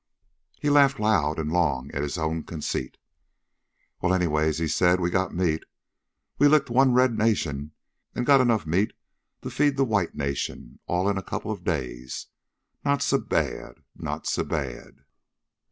He laughed loud and long at his own conceit. "Well, anyways," said he, "we got meat. We've licked one red nation an' got enough meat to feed the white nation, all in a couple o' days. Not so bad not so bad."